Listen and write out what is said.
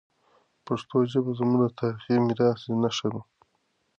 پښتو ژبه زموږ د تاریخي میراث نښه ده.